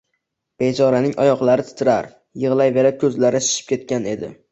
Bechoraning oyoqlari titrar, yig`layverib ko`zlari shishib ketgan edi